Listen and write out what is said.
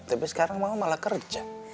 tapi sekarang mama malah kerja